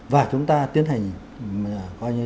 và chúng ta tiến hành